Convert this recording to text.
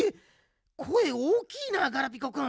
こえおおきいなガラピコくん。